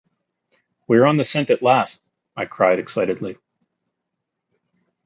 “We’re on the scent at last,” I cried excitedly.